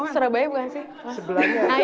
serabaya bukan sih